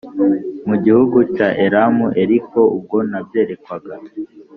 mu gihugu cya Elamu ariko ubwo nabyerekwaga